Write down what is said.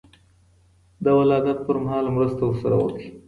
د ولادت پر مهال مرسته ورسره وکړئ.